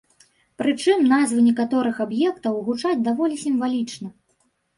Прычым назвы некаторых аб'ектаў гучаць даволі сімвалічна.